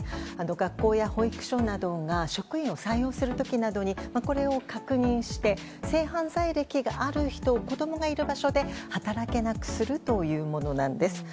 学校や保育所などが職員を採用する時などにこれを確認して性犯罪歴がある人を子供がいる場所で働けなくするというものなんです。